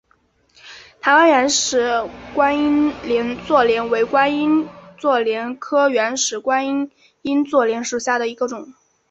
台湾原始观音座莲为观音座莲科原始观音座莲属下的一个种。